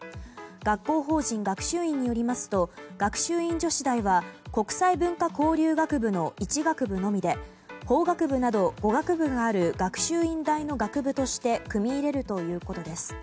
学校法人学習院によりますと学習院女子大は国際文化交流学部の１学部のみで法学部など５学部がある学習院大の学部として組み入れるということです。